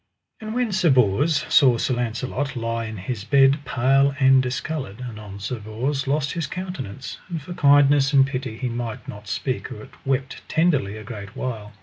And when Sir Bors saw Sir Launcelot lie in his bed pale and discoloured, anon Sir Bors lost his countenance, and for kindness and pity he might not speak, but wept tenderly a great while.